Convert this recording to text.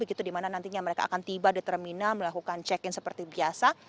begitu di mana nantinya mereka akan tiba di terminal melakukan check in seperti biasa